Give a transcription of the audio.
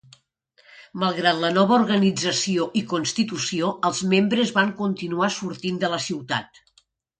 Malgrat la nova organització i constitució, els membres van continuar sortint de la ciutat.